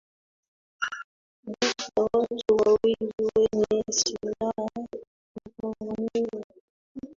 Ghafla watu wawili wenye silaha wakavamia